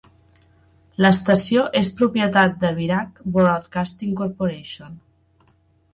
L'estació és propietat de Birach Broadcasting Corporation.